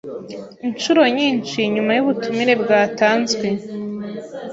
inshuro nyinshi nyuma y'ubutumire bwatanzwe